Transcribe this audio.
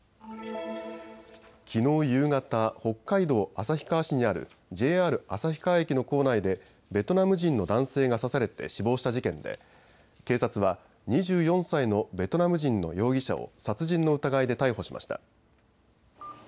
きのう夕方、北海道旭川市にあるＪＲ旭川駅の構内でベトナム人の男性が刺されて死亡した事件で警察は２４歳のベトナム人の容疑者を殺人の疑いで逮捕しました。